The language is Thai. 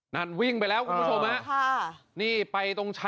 นั่นวิ่งไปแล้วคุณผู้ชมะ